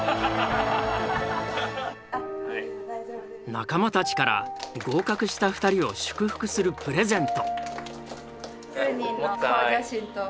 仲間たちから合格した２人を祝福するプレゼント。